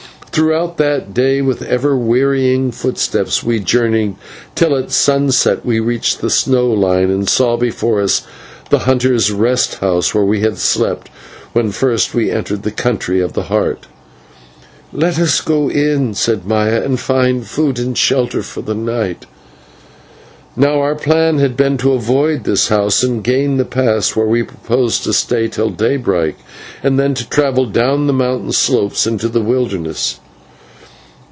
Throughout that day, with ever wearying footsteps, we journeyed, till at sunset we reached the snow line, and saw before us the hunter's rest house where we had slept when first we entered the Country of the Heart. "Let us go in," said Maya, "and find food and shelter for the night." Now, our plan had been to avoid this house and gain the pass, where we proposed to stay till daybreak, and then to travel down the mountain slopes into the wilderness.